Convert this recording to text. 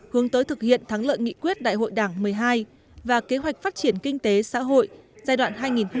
hướng tới thực hiện thắng lợi nghị quyết đại hội đảng một mươi hai và kế hoạch phát triển kinh tế xã hội giai đoạn hai nghìn hai mươi một hai nghìn hai mươi năm